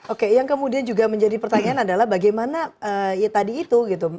oke yang kemudian juga menjadi pertanyaan adalah bagaimana ya tadi itu gitu